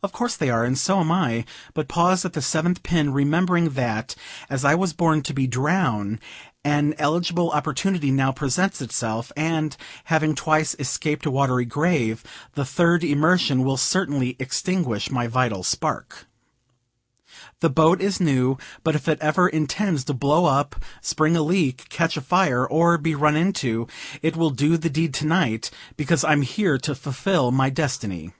Of course they are! and so am I but pause at the seventh pin, remembering that, as I was born to be drowned, an eligible opportunity now presents itself; and, having twice escaped a watery grave, the third immersion will certainly extinguish my vital spark. The boat is new, but if it ever intends to blow up, spring a leak, catch afire, or be run into, it will do the deed tonight, because I'm here to fulfill my destiny.